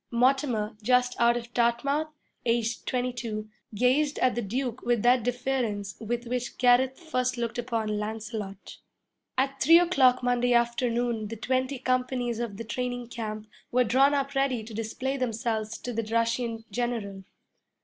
Mortimer, just out of Dartmouth, aged twenty two, gazed at the Duke with that deference with which Gareth first looked upon Lancelot. At three o'clock Monday afternoon the twenty companies of the training camp were drawn up ready to display themselves to the Russian general.